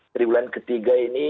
tribulan ketiga ini